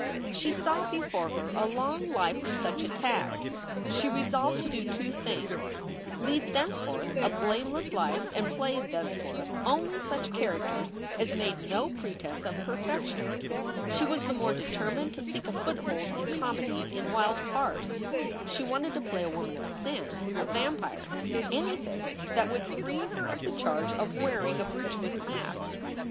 She saw before her a long life of such attacks. She resolved to do two things lead thenceforth a blameless life and play thenceforth only such characters as made no pretense of perfection. She was the more determined to seek a foothold in comedy, in wild farce. She wanted to play a woman of sin, a vampire, anything that would free her of the charge of wearing a virtuous mask.